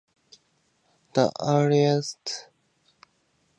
The earliest musical settings of the Mass are Gregorian chant.